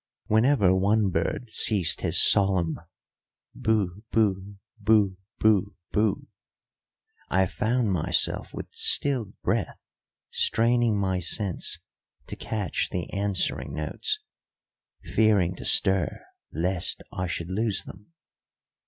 Whenever one bird ceased his solemn boo boo boo boo boo, I found myself with stilled breath straining my sense to catch the answering notes, fearing to stir lest I should lose them.